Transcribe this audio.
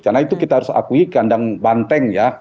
karena itu kita harus akui kandang banteng ya